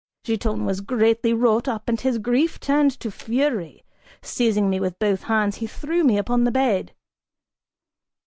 Giton was greatly wrought up and his grief turned to fury: seizing me with both hands, he threw me upon the bed.